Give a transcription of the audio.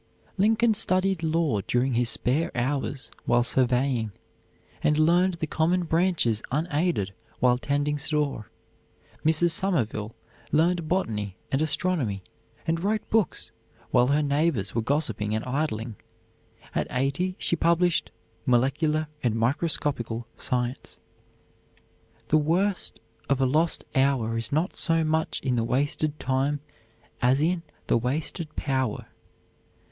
Lincoln studied law during his spare hours while surveying, and learned the common branches unaided while tending store. Mrs. Somerville learned botany and astronomy and wrote books while her neighbors were gossiping and idling. At eighty she published "Molecular and Microscopical Science." The worst of a lost hour is not so much in the wasted time as in the wasted power.